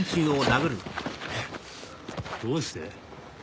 「どうして」？